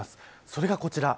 それが、こちら。